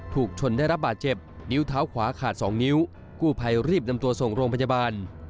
ถูกชนได้รับบาดเจ็บนิ้วเท้าขวาขาดสองนิ้วกู้ภัยรีบนำตัวส่งโรงพยาบาล